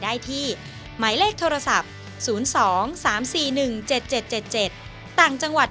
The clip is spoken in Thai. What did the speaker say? วันนี้ขอบคุณพี่อมนต์มากเลยนะครับ